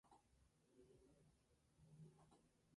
Se caracteriza por ser romántico y gótico.